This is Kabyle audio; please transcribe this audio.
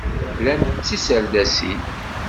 Llant d tiserdasin.